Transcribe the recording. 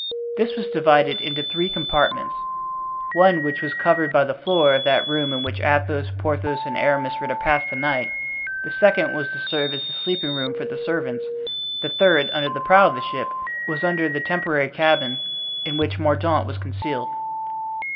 This was divided into three compartments—one which was covered by the floor of that room in which Athos, Porthos and Aramis were to pass the night; the second was to serve as the sleeping room for the servants, the third, under the prow of the ship, was under the temporary cabin in which Mordaunt was concealed.